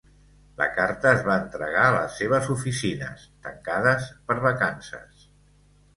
La carta es va entregar a les seves oficines, tancades per vacances.